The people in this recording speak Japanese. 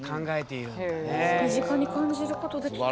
身近に感じることできた。